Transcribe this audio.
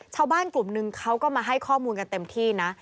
ชาวบ้านกลุ่มนึงเขาก็มาให้ข้อมูลกันเต็มที่นะ